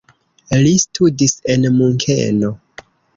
Li studis en Munkeno.